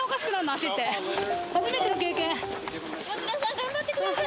脚って吉田さん頑張ってください